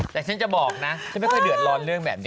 แต่ฉันจะบอกนะฉันไม่ค่อยเดือดร้อนเรื่องแบบนี้